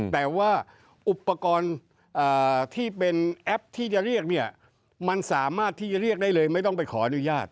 แต่ว่าอุปกรณ์ที่เป็นแอปที่จะเรียกเนี่ยมันสามารถที่จะเรียกได้เลยไม่ต้องไปขออนุญาต